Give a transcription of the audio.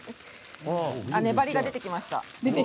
粘りが出てきました。